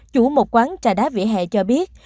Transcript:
chủ một quán trà đá vỉa hè cho biết